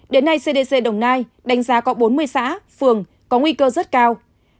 đến nay cdc đồng nai đánh giá có bốn mươi xã phường có nguy cơ rất cao